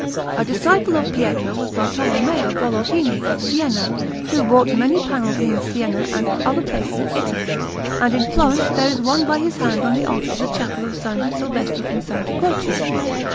A disciple of Pietro was Bartolommeo Bologhini of Siena, who wrought many panels in Siena and other places in Italy, and in Florence there is one by his hand on the altar of the Chapel of S. Silvestro in S. Croce.